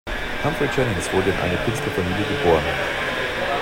Humphrey Jennings wurde in eine Künstlerfamilie geboren.